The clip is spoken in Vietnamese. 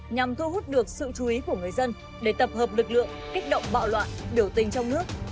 nhằm thu hút được sự truyền thống